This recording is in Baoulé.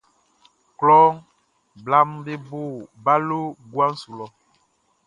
Klɔ blaʼm be bo balo guabo su lɔ.